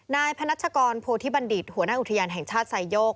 นายพนัชกรโพธิบัณฑิตหัวหน้าอุทยานแห่งชาติไซโยก